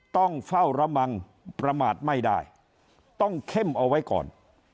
ต้องเฝ้าระมังประมาทไม่ได้ต้องเข้มเอาไว้ก่อน